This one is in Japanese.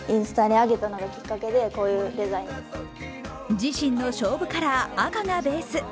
自身の勝負カラー・赤がベース。